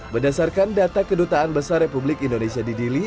berdasarkan data kedutaan besar republik indonesia di dili